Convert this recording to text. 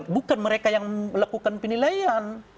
bukan mereka yang melakukan penilaian